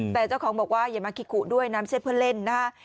แต่เจ้าของบอกว่าอย่ามาคิกุด้วยน้ำเช็ดเพื่อเล่นนะฮะ